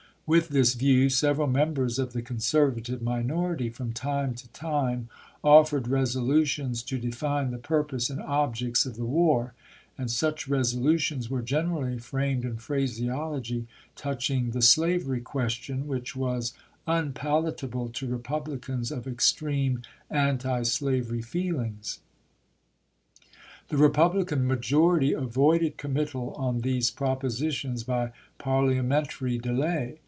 With this view, several Members of the conservative minority from time to time offered resolutions to define the purpose and objects of the war, and such resolutions were generally framed in phraseology touching the slav CONGKESS 379 ery question wMch was unpalatable to Republicans chap. xxi. of extreme antislavery feelings. The Republican majority avoided committal on these propositions by parliamentary delay.